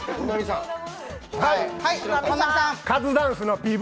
カズダンスのＰＶ。